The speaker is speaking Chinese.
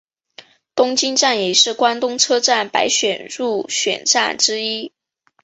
东京站也是关东车站百选入选站之一。